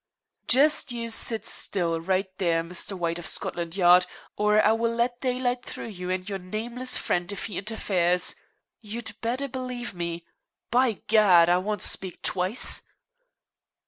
"Just you sit still, right there, Mr. White of Scotland Yard, or I will let daylight through you and your nameless friend if he interferes. You'd better believe me. By gad! I won't speak twice."